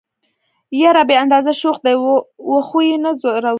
يره بې اندازه شوخ دي وخو يې نه ځورولئ.